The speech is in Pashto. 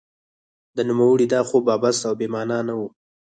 د نوموړي دا خوب عبث او بې مانا نه و.